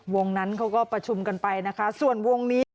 วงนั้นเขาก็ประชุมกันไปนะคะส่วนวงนี้